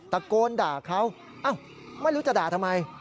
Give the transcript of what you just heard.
ตะโกนด่าเขาไม่รู้จะด่าทำไม